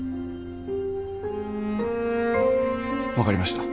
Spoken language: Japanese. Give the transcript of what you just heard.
分かりました。